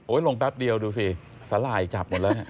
โอ้ยลงแป๊บเดียวดูสิสลายจับหมดแล้ว